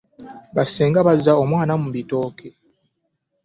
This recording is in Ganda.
Bassenga bazza omuwala mu bitooke.